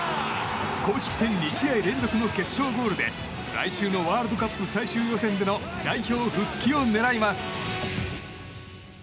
公式戦２試合連続の決勝ゴールで来週のワールドカップ最終予選での代表復帰を狙います。